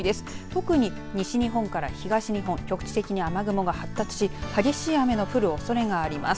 特に、西日本から東日本局地的に雨雲が発達し激しい雨の降るおそれがあります。